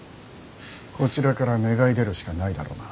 こちらから願い出るしかないだろうな。